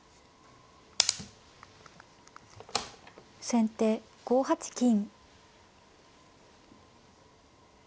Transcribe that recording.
先手５八金。